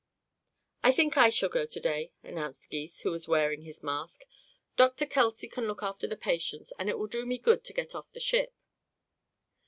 "I think I shall go to day," announced Gys, who was wearing his mask. "Dr. Kelsey can look after the patients and it will do me good to get off the ship."